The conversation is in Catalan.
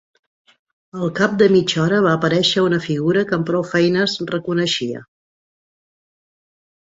Al cap de mitja hora va aparèixer una figura que amb prou feines reconeixia.